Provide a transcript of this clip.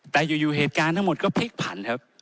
แต่อยู่เหตุการณ์ทั้งหมดก็พลิกผันครับ